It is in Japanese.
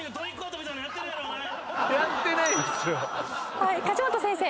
はい梶本先生。